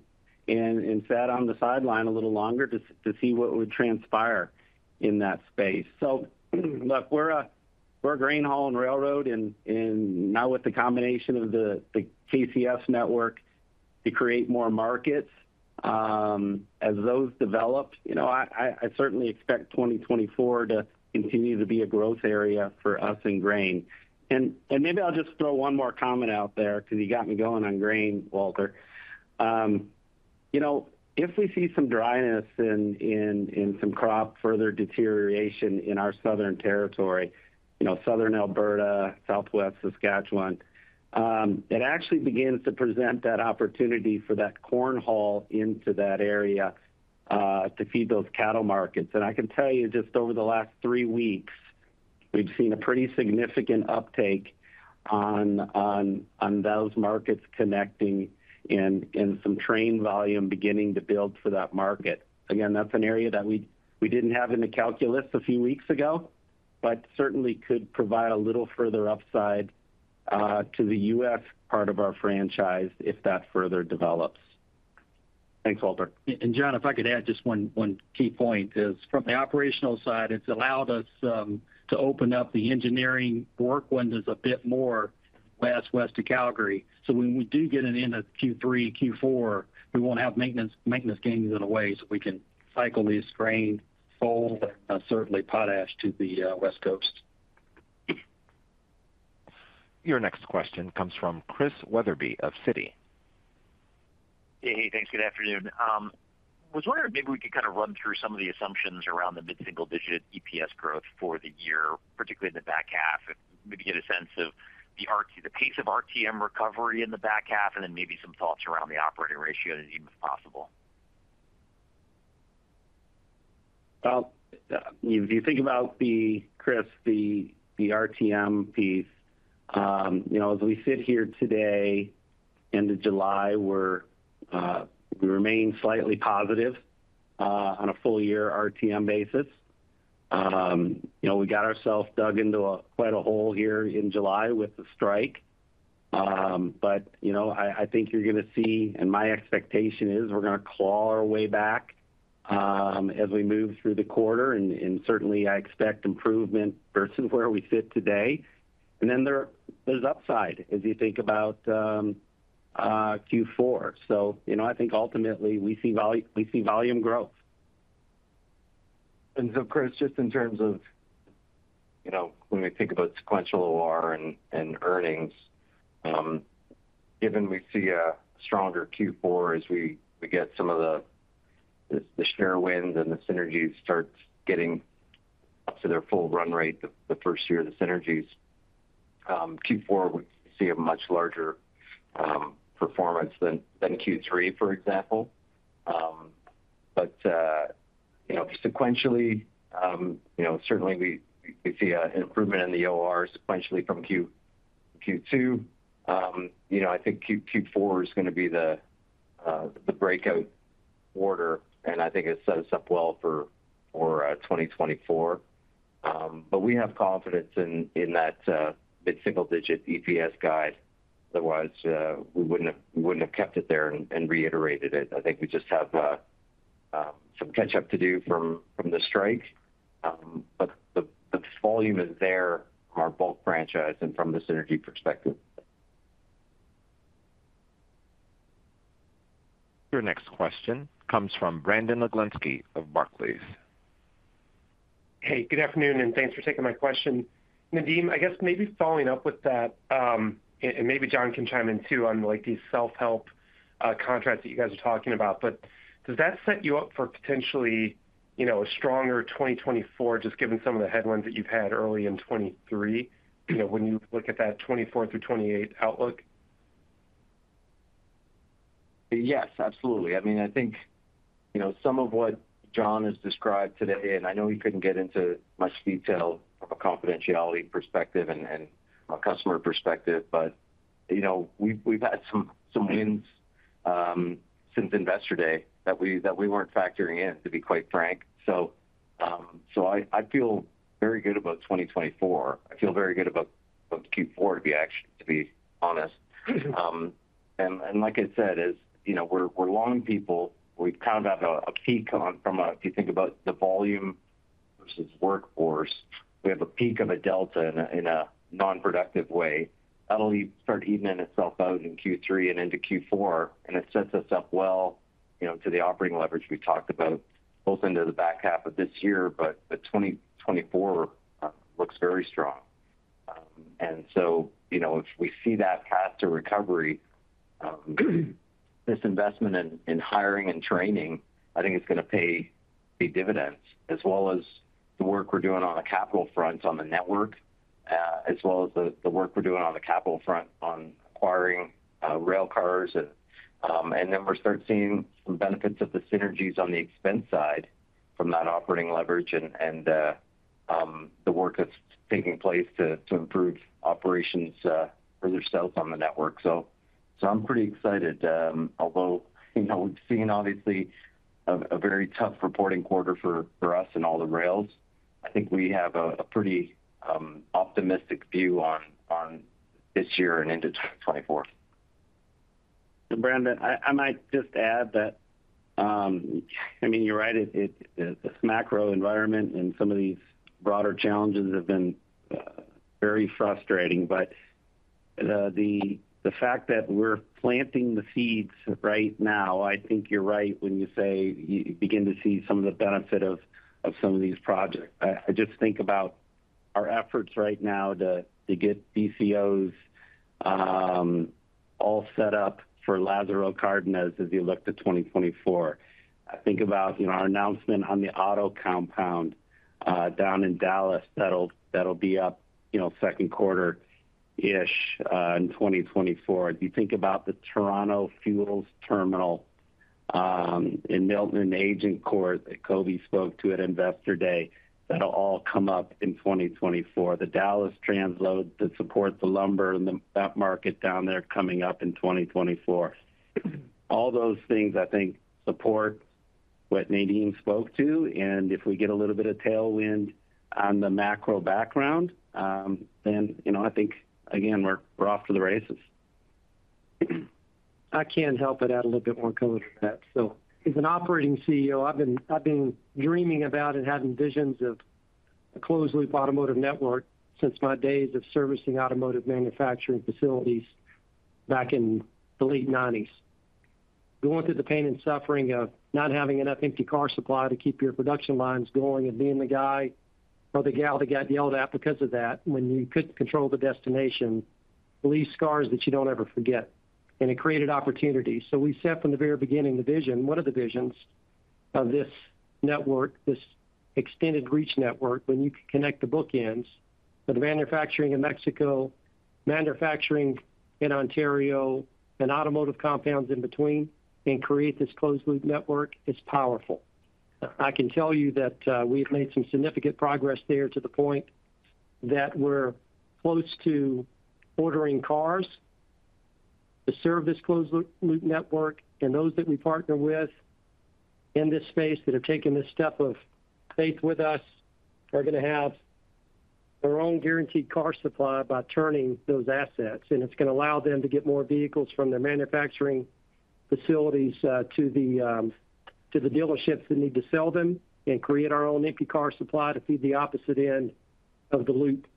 sat on the sideline a little longer to see what would transpire in that space. Look, we're a grain haul and railroad, and now with the combination of the KCS network to create more markets, as those develop, you know, I certainly expect 2024 to continue to be a growth area for us in grain. Maybe I'll just throw one more comment out there because you got me going on grain, Walter. You know, if we see some dryness in some crop, further deterioration in our southern territory, you know, southern Alberta, southwest Saskatchewan, it actually begins to present that opportunity for that corn haul into that area to feed those cattle markets. I can tell you, just over the last three weeks, we've seen a pretty significant uptake on those markets connecting and some train volume beginning to build for that market. Again, that's an area that we, we didn't have in the calculus a few weeks ago, but certainly could provide a little further upside to the U.S. part of our franchise, if that further develops. Thanks, Walter. John, if I could add just one, one key point is, from the operational side, it's allowed us to open up the engineering work windows a bit more west, west of Calgary. When we do get it into Q3, Q4, we won't have maintenance gains in the way, so we can cycle these grain, coal, and certainly potash to the West Coast. Your next question comes from Chris Wetherbee of Citi. Hey, thanks. Good afternoon. I was wondering if maybe we could kind of run through some of the assumptions around the mid-single-digit EPS growth for the year, particularly in the back half, and maybe get a sense of the pace of RTM recovery in the back half, and then maybe some thoughts around the operating ratio, Nadeem, if possible? Well, if you think about the, Chris, the, the RTM piece, you know, as we sit here today, end of July, we're, we remain slightly positive on a full year RTM basis. You know, we got ourselves dug into a quite a hole here in July with the strike. You know, I, I think you're going to see, and my expectation is we're going to claw our way back as we move through the quarter, and certainly I expect improvement versus where we sit today. There, there's upside as you think about Q4. You know, I think ultimately we see vol-- we see volume growth. Chris, just in terms of, you know, when we think about sequential OR and earnings, given we see a stronger Q4 as we get some of the share wins and the synergies start getting up to their full run rate, the first year of the synergies, Q4 would see a much larger performance than Q3, for example. You know, sequentially, you know, certainly we see an improvement in the OR sequentially from Q2. You know, I think Q4 is going to be the breakout order, and I think it sets us up well for 2024. We have confidence in that mid-single-digit EPS guide. Otherwise, we wouldn't have kept it there and reiterated it. I think we just have some catch up to do from, from the strike. The, the volume is there from our bulk franchise and from the synergy perspective. Your next question comes from Brandon Oglenski of Barclays. Hey, good afternoon, and thanks for taking my question. Nadeem, I guess maybe following up with that, and, and maybe John can chime in too on, like, these self-help contracts that you guys are talking about. Does that set you up for potentially, you know, a stronger 2024, just given some of the headwinds that you've had early in 2023, you know, when you look at that 2024-2028 outlook? Yes, absolutely. I mean, I think, you know, some of what John has described today, and I know he couldn't get into much detail from a confidentiality perspective and, and a customer perspective, but, you know, we've, we've had some, some wins, since Investor Day that we, that we weren't factoring in, to be quite frank. I feel very good about 2024. I feel very good about, about Q4, to be honest. Like I said, as you know, we're, we're long people, we've kind of had a peak on from a if you think about the volume versus workforce, we have a peak of a delta in a, in a non-productive way. That'll start evening itself out in Q3 and into Q4, and it sets us up well, you know, to the operating leverage we talked about, both into the back half of this year, but the 2024 looks very strong. You know, if we see that path to recovery, this investment in, in hiring and training, I think it's going to pay, pay dividends, as well as the work we're doing on the capital front, on the network, as well as the, the work we're doing on the capital front on acquiring, railcars. We're starting to seeing some benefits of the synergies on the expense side from that operating leverage and, the work that's taking place to, to improve operations, further south on the network. I'm pretty excited. Although, you know, we've seen obviously a, a very tough reporting quarter for us and all the rails, I think we have a pretty optimistic view on, on this year and into 2024. Brandon, I might just add that, I mean, you're right. It, this macro environment and some of these broader challenges have been very frustrating. The, the fact that we're planting the seeds right now, I think you're right when you say you, you begin to see some of the benefit of, of some of these projects. I, I just think about our efforts right now to, to get DCOs all set up for Lázaro Cárdenas as we look to 2024. I think about, you know, our announcement on the auto compound down in Dallas. That'll be up, you know, second quarter-ish in 2024. If you think about the Toronto Fuels terminal in Milton, Agincourt, that Coby spoke to at Investor Day, that'll all come up in 2024. The Dallas transload that supports the lumber and that market down there coming up in 2024. All those things, I think, support what Nadeem spoke to, and if we get a little bit of tailwind on the macro background, then I think again, we're, we're off to the races. I can't help but add a little bit more color to that. As an operating CEO, I've been dreaming about and having visions of a closed-loop automotive network since my days of servicing automotive manufacturing facilities back in the late 90s. Going through the pain and suffering of not having enough empty car supply to keep your production lines going, and being the guy or the gal that got yelled at because of that, when you couldn't control the destination, leave scars that you don't ever forget. It created opportunities. We said from the very beginning, the vision, one of the visions of this network, this extended reach network, when you can connect the bookends of the manufacturing in Mexico, manufacturing in Ontario, and automotive compounds in between, and create this closed loop network, it's powerful. I can tell you that, we've made some significant progress there, to the point that we're close to ordering cars. The service closed loop, loop network and those that we partner with in this space that have taken this step of faith with us, are going to have their own guaranteed car supply by turning those assets. It's going to allow them to get more vehicles from their manufacturing facilities, to the, to the dealerships that need to sell them, and create our own empty car supply to feed the opposite end of the loop.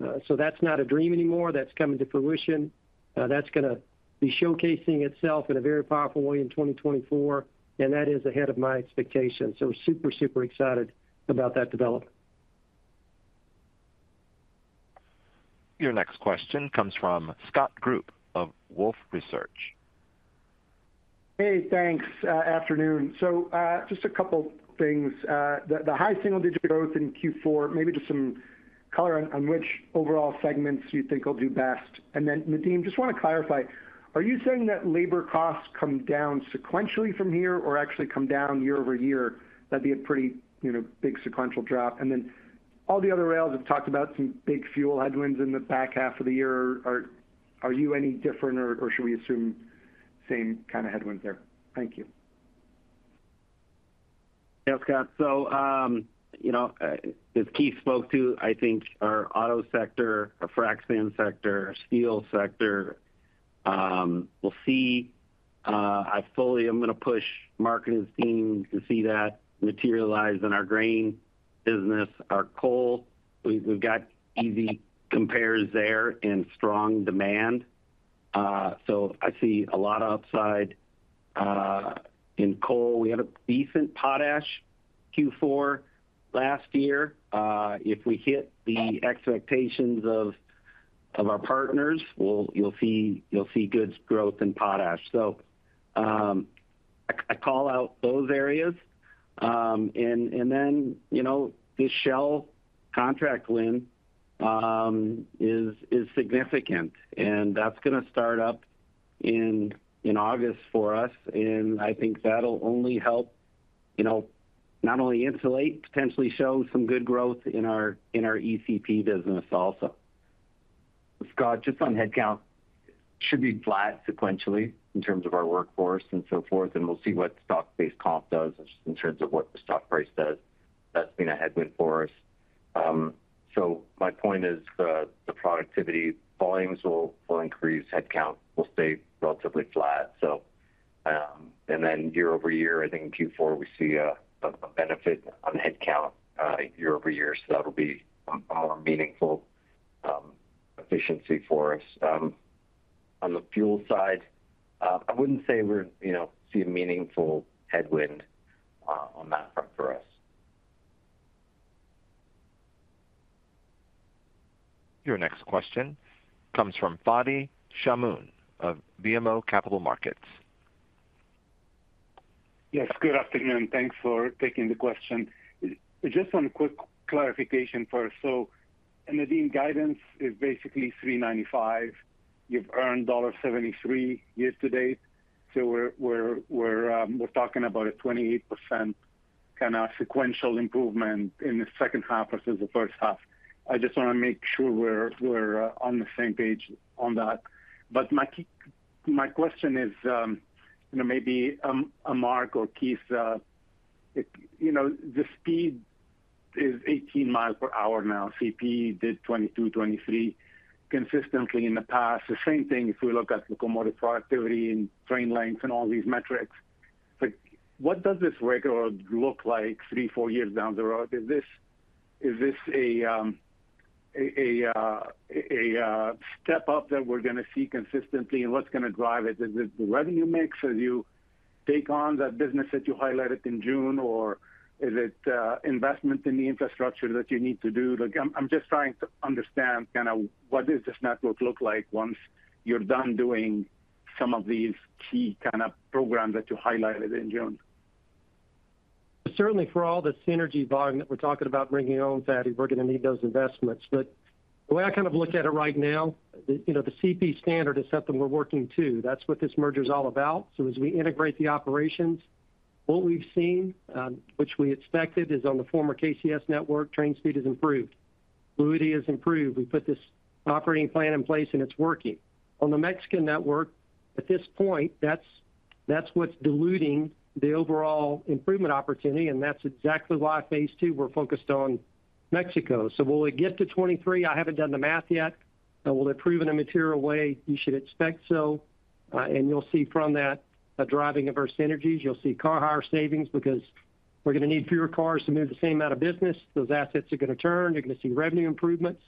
That's not a dream anymore. That's coming to fruition. That's going to be showcasing itself in a very powerful way in 2024, and that is ahead of my expectations. Super, super excited about that development. Your next question comes from Scott Group of Wolfe Research. Hey, thanks. Afternoon. Just a couple things. The, the high single digit growth in Q4, maybe just some color on, on which overall segments you think will do best. Nadeem, just want to clarify: are you saying that labor costs come down sequentially from here or actually come down year-over-year? That'd be a pretty, you know, big sequential drop. All the other rails have talked about some big fuel headwinds in the back half of the year. Are you any different, or should we assume same kind of headwinds there? Thank you. Scott. You know, as Keith spoke to, I think our auto sector, our frack sand sector, our steel sector, we'll see. I'm going to push marketing team to see that materialize in our grain business. Our coal, we've, we've got easy compares there and strong demand. I see a lot of upside in coal. We had a decent potash Q4 last year. If we hit the expectations of our partners, you'll see, you'll see good growth in potash. I, I call out those areas. You know, the Shell contract win is significant, and that's going to start up in August for us, and I think that'll only help, you know, not only insulate, potentially show some good growth in our ECP business also. Scott, just on headcount, should be flat sequentially in terms of our workforce and so forth. We'll see what stock-based comp does in terms of what the stock price does. That's been a headwind for us. My point is the productivity volumes will increase, headcount will stay relatively flat. Then year-over-year, I think in Q4, we see a benefit on headcount year-over-year, so that'll be a meaningful efficiency for us. On the fuel side, I wouldn't say we're, you know, see a meaningful headwind on that front for us. Your next question comes from Fadi Chamoun of BMO Capital Markets. Yes, good afternoon. Thanks for taking the question. Just one quick clarification first. Nadeem, guidance is basically 395. You've earned $1.73 year to date, so we're, we're, we're, we're talking about a 28% kind of sequential improvement in the second half versus the first half. I just want to make sure we're, we're on the same page on that. My key-- my question is, you know, maybe, Mark or Keith, you know, the speed is 18 miles per hour now. CP did 22, 23 consistently in the past. The same thing if we look at locomotive productivity and train lengths and all these metrics. What does this railroad look like three, four years down the road? Is this, is this a step up that we're going to see consistently, and what's going to drive it? Is it the revenue mix as you take on that business that you highlighted in June, or is it investment in the infrastructure that you need to do? Like, I'm just trying to understand kind of what does this network look like once you're done doing some of these key kind of programs that you highlighted in June. Certainly for all the synergy volume that we're talking about bringing on, Fadi, we're going to need those investments. The way I kind of look at it right now, you know, the CP standard is something we're working to. That's what this merger is all about. As we integrate the operations, what we've seen, which we expected, is on the former KCS network, train speed has improved, fluidity has improved. We put this operating plan in place and it's working. On the Mexican network, at this point, that's, that's what's diluting the overall improvement opportunity, and that's exactly why phase two, we're focused on Mexico. Will it get to 23? I haven't done the math yet. Will it improve in a material way? You should expect so, and you'll see from that a driving of our synergies. You'll see car hire savings, because we're going to need fewer cars to move the same amount of business. Those assets are going to turn. You're going to see revenue improvements.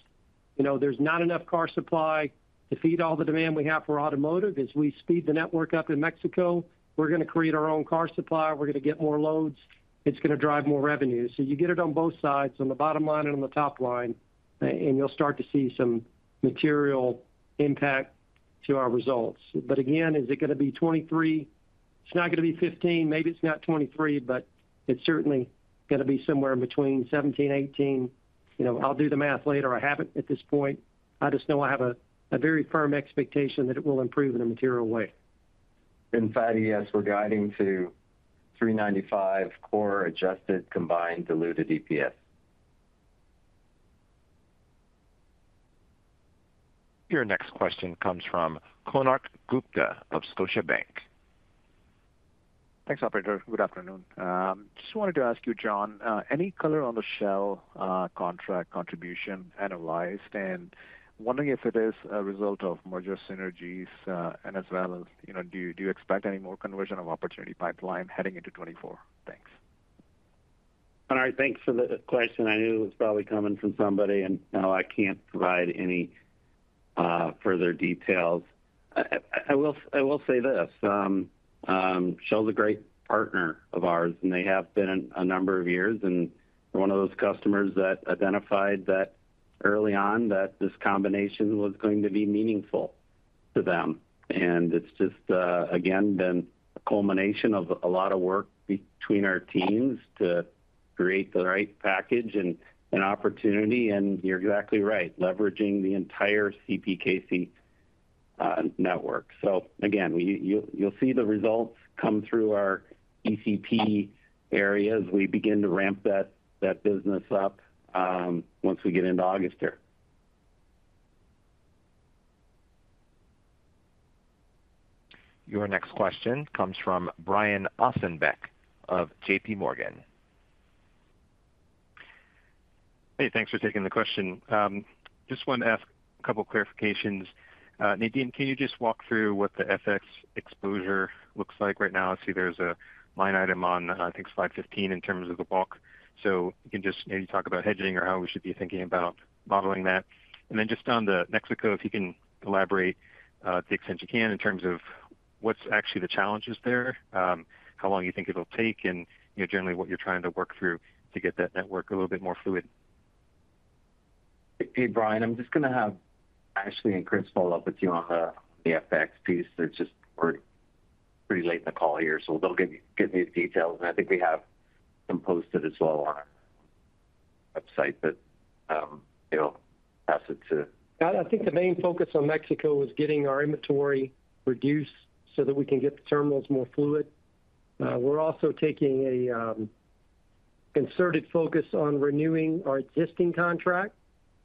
You know, there's not enough car supply to feed all the demand we have for automotive. As we speed the network up in Mexico, we're going to create our own car supply, we're going to get more loads, it's going to drive more revenue. You get it on both sides, on the bottom line and on the top line, and you'll start to see some material impact to our results. Again, is it going to be 2023? It's not going to be 2015, maybe it's not 2023, but it's certainly going to be somewhere in between 2017 and 2018. You know, I'll do the math later. I haven't at this point. I just know I have a very firm expectation that it will improve in a material way. Fadi, yes, we're guiding to $3.95 core adjusted combined diluted EPS. Your next question comes from Konark Gupta of Scotiabank. Thanks, operator. Good afternoon. Just wanted to ask you, John, any color on the Shell contract contribution analyzed? Wondering if it is a result of merger synergies, and as well as, you know, do you, do you expect any more conversion of opportunity pipeline heading into 2024? Thanks. All right. Thanks for the question. I knew it was probably coming from somebody, no, I can't provide any further details. I will, I will say this, Shell is a great partner of ours, and they have been a number of years, and one of those customers that identified that early on, that this combination was going to be meaningful to them. It's just again, been a culmination of a lot of work between our teams to create the right package and an opportunity. You're exactly right, leveraging the entire CPKC network. Again, you, you'll see the results come through our ECP areas. We begin to ramp that, that business up once we get into August here. Your next question comes from Brian Ossenbeck of JPMorgan. Hey, thanks for taking the question. Just want to ask a couple of clarifications. Nadeem, can you just walk through what the FX exposure looks like right now? I see there's a line item on, I think slide 15 in terms of the bulk. If you can just maybe talk about hedging or how we should be thinking about modeling that. Then just on the Mexico, if you can elaborate, to the extent you can, in terms of what's actually the challenges there, how long you think it'll take, and, you know, generally, what you're trying to work through to get that network a little bit more fluid. Hey, Brian, I'm just going to have Ashley and Chris follow up with you on the, the FX piece. They're just pretty late in the call here, so they'll give you, give you the details. I think we have them posted as well on our website, but, you know, pass it to- I think the main focus on Mexico is getting our inventory reduced so that we can get the terminals more fluid. We're also taking a concerted focus on renewing our existing contract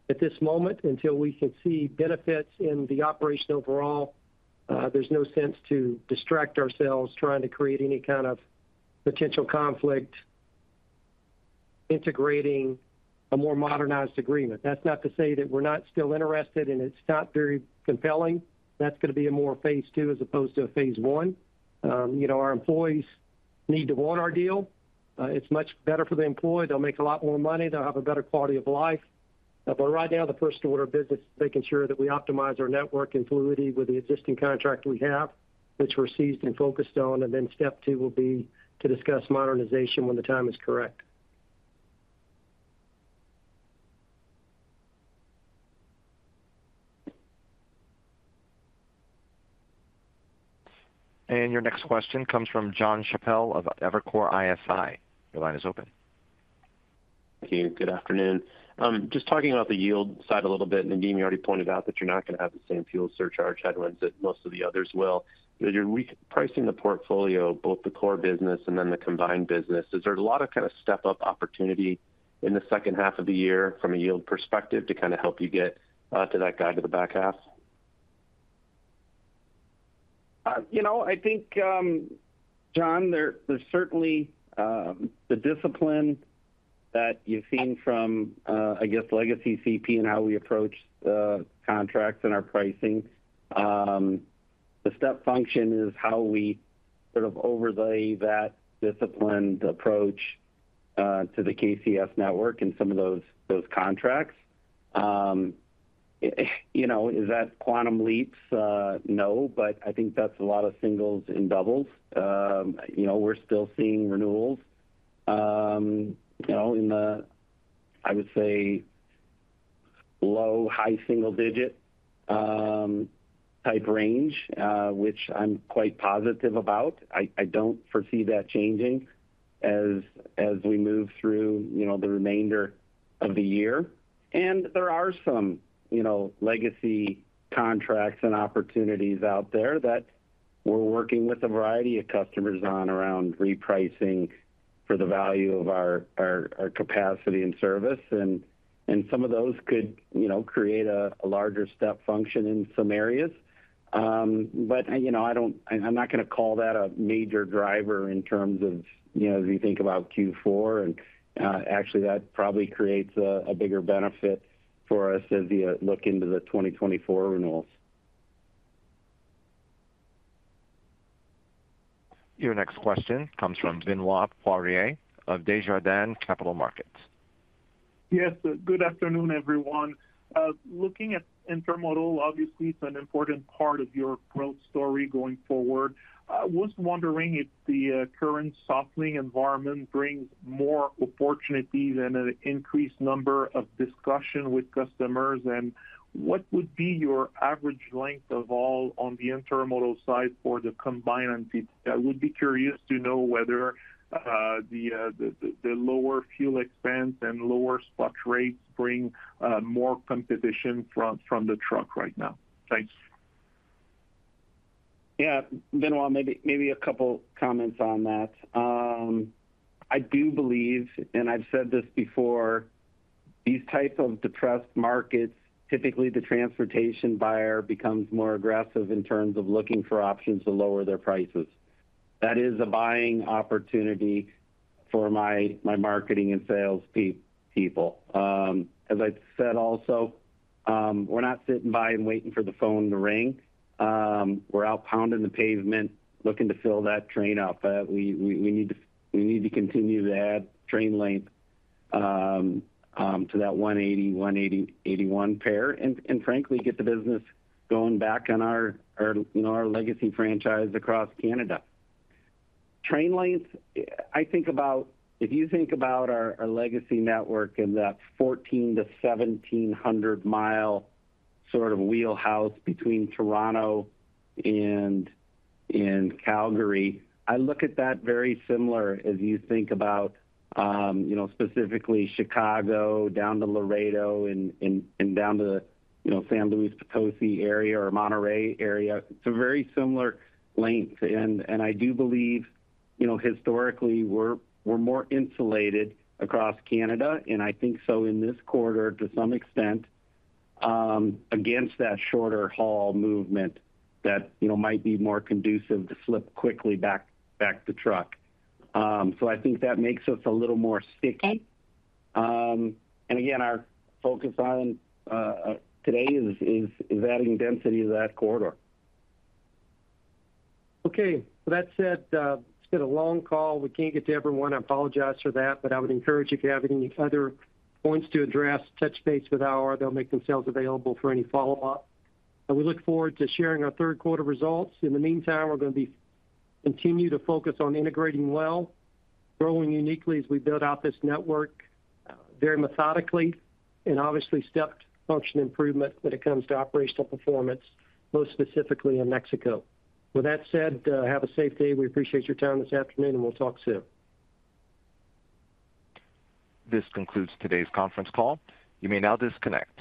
at this moment until we can see benefits in the operation overall. There's no sense to distract ourselves, trying to create any kind of potential conflict, integrating a more modernized agreement. That's not to say that we're not still interested and it's not very compelling. That's going to be a more phase two as opposed to a phase one. You know, our employees need to want our deal. It's much better for the employee. They'll make a lot more money, they'll have a better quality of life. Right now, the first order of business is making sure that we optimize our network and fluidity with the existing contract we have, which we're seized and focused on. Then step two will be to discuss modernization when the time is correct. Your next question comes from Jon Chappell of Evercore ISI. Your line is open. Thank you. Good afternoon. Just talking about the yield side a little bit, Nadeem, you already pointed out that you're not going to have the same fuel surcharge headwinds that most of the others will. As you're re-pricing the portfolio, both the core business and then the combined business, is there a lot of step-up opportunity in the second half of the year from a yield perspective, to kind of help you get to that guide to the back half? You know, I think, Jon, there, there's certainly the discipline that you've seen from, I guess, legacy CP and how we approach contracts and our pricing. The step function is how we sort of overlay that disciplined approach to the KCS network and some of those, those contracts. You know, is that quantum leaps? No, but I think that's a lot of singles and doubles. You know, we're still seeing renewals, you know, in the, I would say, low-high single-digit type range, which I'm quite positive about. I, I don't foresee that changing as, as we move through, you know, the remainder of the year. There are some, you know, legacy contracts and opportunities out there that we're working with a variety of customers on around repricing for the value of our, our, our capacity and service. Some of those could, you know, create a larger step function in some areas. You know, I don't-- I'm not going to call that a major driver in terms of, you know, as you think about Q4, actually, that probably creates a, a bigger benefit for us as we look into the 2024 renewals. Your next question comes from Benoit Poirier of Desjardins Capital Markets. Yes, good afternoon, everyone. Looking at Intermodal, obviously, it's an important part of your growth story going forward. I was wondering if the current softening environment brings more opportunities and an increased number of discussion with customers? What would be your average length of all on the Intermodal side for the combined entity? I would be curious to know whether the lower fuel expense and lower spot rates bring more competition from, from the truck right now. Thanks. Yeah, Benoit, maybe, maybe a couple comments on that. I do believe, and I've said this before, these types of depressed markets, typically, the transportation buyer becomes more aggressive in terms of looking for options to lower their prices. That is a buying opportunity for my, my marketing and sales people. As I've said also, we're not sitting by and waiting for the phone to ring. We're out pounding the pavement, looking to fill that train up. We need to continue to add train length, to that 180, 180, 81 pair, and, and frankly, get the business going back on our legacy franchise across Canada. Train length, if you think about our, our legacy network in that 1,400 to 1,700 mile sort of wheelhouse between Toronto and, and Calgary, I look at that very similar as you think about, you know, specifically Chicago, down to Laredo and down to San Luis Potosi area or Monterrey area. It's a very similar length, and, and I do believe, you know, historically, we're, we're more insulated across Canada, and I think so in this quarter, to some extent, against that shorter haul movement that might be more conducive to slip quickly back to truck. I think that makes us a little more sticky. Again, our focus on today is adding density to that corridor. Okay, with that said, it's been a long call. We can't get to everyone. I apologize for that. I would encourage you, if you have any other points to address, touch base with our... They'll make themselves available for any follow-up. We look forward to sharing our third quarter results. In the meantime, we're going to be continue to focus on integrating well, growing uniquely as we build out this network, very methodically and obviously stepped function improvement when it comes to operational performance, most specifically in Mexico. With that said, have a safe day. We appreciate your time this afternoon, and we'll talk soon. This concludes today's conference call. You may now disconnect.